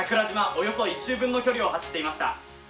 およそ１周分の距離を走っていました。